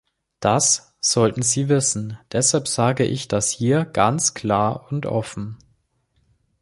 Das sollten Sie wissen, deshalb sage ich das hier ganz klar und offen.